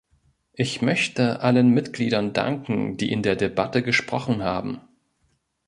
Ich möchte allen Mitgliedern danken, die in der Debatte gesprochen haben.